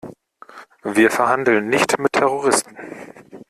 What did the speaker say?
Wir verhandeln nicht mit Terroristen.